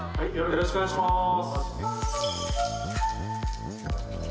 よろしくお願いします。